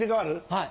はい。